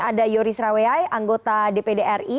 ada yoris raweai anggota dpd ri